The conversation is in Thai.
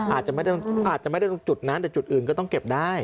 อาจจะไม่ได้ทุกจุดนะเดี๋ยวจุดอื่นก็ต้องเก็บได้